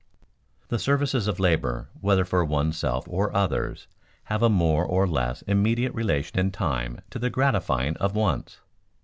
_The services of labor, whether for one's self or others, have a more or less immediate relation in time to the gratifying of wants.